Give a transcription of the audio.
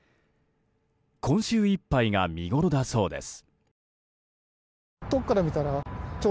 今週いっぱいが見ごろだそうです。